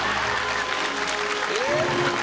えっ！？